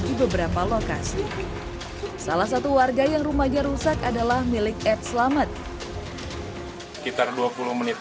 di beberapa lokasi salah satu warga yang rumahnya rusak adalah milik ed selamat sekitar dua puluh menit